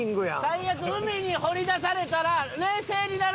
最悪海に放り出されたら冷静になる事よ。